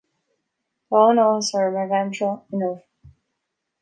Tá an-áthas orm a bheith anseo inniu.